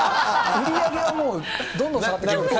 売り上げはもう、どんどん下がっていきます。